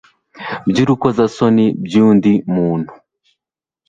by urukozasoni by undi muntu